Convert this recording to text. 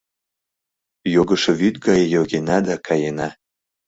Йогышо вӱд гае йогена да каена